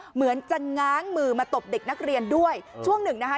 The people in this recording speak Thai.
เหมือนจะง้างมือมาตบเด็กนักเรียนด้วยช่วงหนึ่งนะคะ